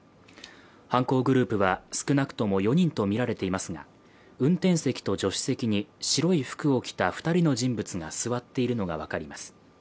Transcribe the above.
犯行グループは少なくとも４人とみられていますが運転席と助手席に白い服を着た２人の人物が、座っているのが分かります。